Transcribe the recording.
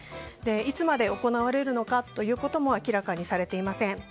いつまで行われるのかも明らかにされていません。